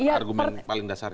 argumen paling dasarnya